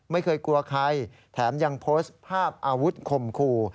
ไม่เคยกลัวใครแถมยังโพสต์ภาพอาวุธคมคู่